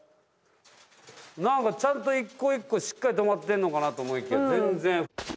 何かちゃんと一個一個しっかり留まってんのかなと思いきや全然。